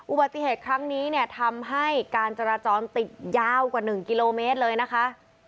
อุบัติเหตุครั้งนี้เนี่ยทำให้การจราจรติดยาวกว่า๑กิโลเมตรเลยนะคะ